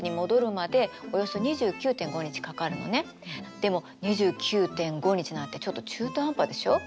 でも２９．５日なんてちょっと中途半端でしょ。